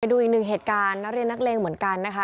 ดูอีกหนึ่งเหตุการณ์นักเรียนนักเลงเหมือนกันนะคะ